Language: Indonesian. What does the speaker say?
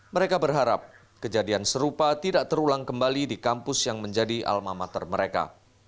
mereka berharap kejadian serupa tidak terulang kembali di kampus yang menjadi almamater mereka